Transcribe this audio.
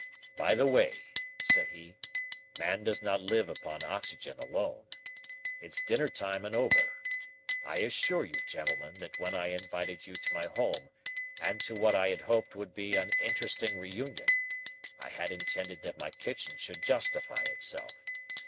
"By the way," said he, "man does not live upon oxygen alone. It's dinner time and over. I assure you, gentlemen, that when I invited you to my home and to what I had hoped would be an interesting reunion, I had intended that my kitchen should justify itself.